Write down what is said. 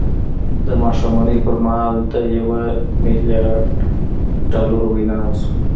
د ماښامنۍ پر مهال د یوه میلیارد ډالرو وینا وشوه